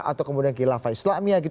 atau kemudian kelima islam